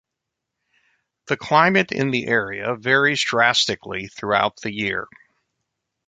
The climate in the area varies drastically throughout the year.